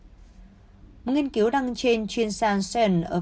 một nghiên cứu đăng trên chuyên sản